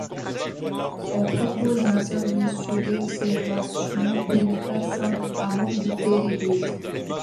Elle propose un service, sur réservation, pour les personnes à mobilité réduite.